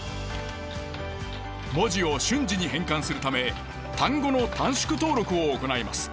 文字を瞬時に変換するため単語の短縮登録を行います。